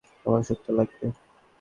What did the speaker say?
আমার ওষুধটা লাগবে।